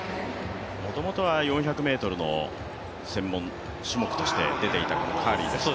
もともとは４００ｍを専門種目として出ていたカーリーですが。